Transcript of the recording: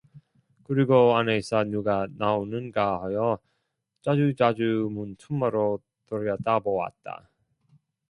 그리고 안에서 누가 나오는가 하여 자주자주 문틈으로 들여다보았다.